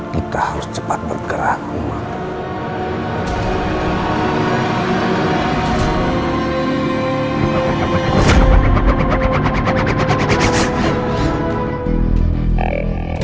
kita harus cepat bergerak